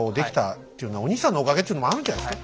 っていうのはお兄さんのおかげっていうのもあるんじゃないですか？